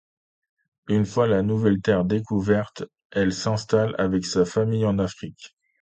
Une fois la nouvelle Terre découverte, elle s'installe avec sa famille en Afrique.